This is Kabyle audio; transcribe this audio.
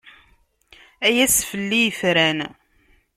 Ay ass fell-i yefran.